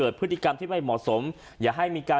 แต่ว่ารุษีนี่ไม่มีไง